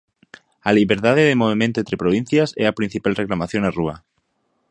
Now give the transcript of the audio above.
A liberdade de movemento entre provincias é a principal reclamación na rúa.